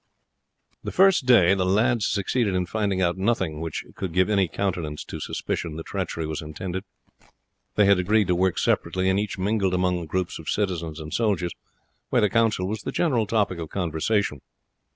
The first day the lads succeeded in finding out nothing which could give any countenance to suspicion that treachery was intended. They had agreed to work separately, and each mingled among the groups of citizens and soldiers, where the council was the general topic of conversation.